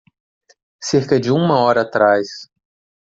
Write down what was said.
Cerca de uma hora atrás.